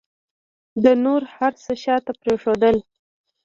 ده نور هر څه شاته پرېښودل.